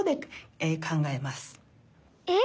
えっ？